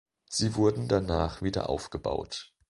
Sie wurden danach wieder aufgebaut.